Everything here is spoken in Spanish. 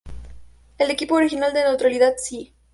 El equipo original de Neutralidad Si!